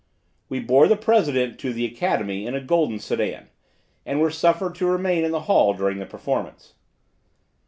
We bore the president to the Academy in a golden sedan, and were suffered to remain in the hall during the performance.